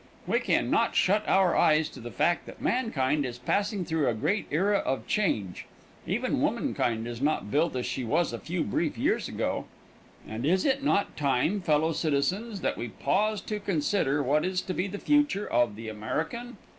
We can not shut our eyes to the fact that mankind is passing through a great era of change; even womankind is not built as she was a few brief years ago. And is it not time, fellow citizens, that we pause to consider what is to be the future of the American?